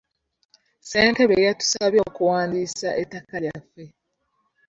Ssentebe yatusabye okuwandiisa ettaka lyaffe.